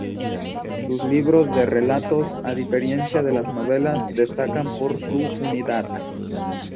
Sus libros de relatos, a diferencia de las novelas, destacan por su unidad.